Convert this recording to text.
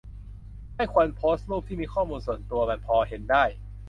ไม่ควรโพสต์รูปที่มีข้อมูลส่วนตัว มันพอเห็นได้